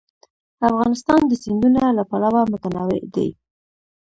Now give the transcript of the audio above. افغانستان د سیندونه له پلوه متنوع دی.